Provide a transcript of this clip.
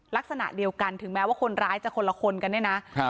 ลักษณะเดียวกันถึงแม้ว่าคนร้ายจะคนละคนกันเนี่ยนะ